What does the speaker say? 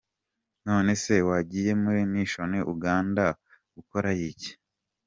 None se wagiye muri mission Uganda gukorayo iki?